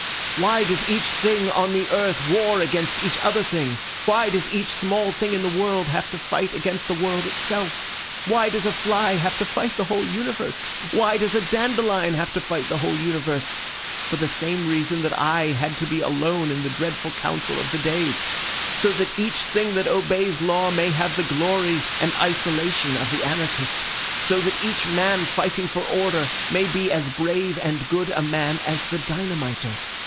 Why does each thing on the earth war against each other thing? Why does each small thing in the world have to fight against the world itself? Why does a fly have to fight the whole universe? Why does a dandelion have to fight the whole universe? For the same reason that I had to be alone in the dreadful Council of the Days. So that each thing that obeys law may have the glory and isolation of the anarchist. So that each man fighting for order may be as brave and good a man as the dynamiter.